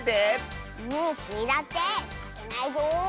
スイだってまけないぞ！